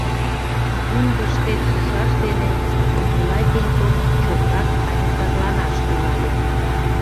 Кундыш дек шушаш дене Николай Пеньков чотрак каньысырланаш тӱҥале.